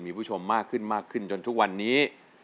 มีผู้ชมมากขึ้นมากขึ้นจนทุกวันนี้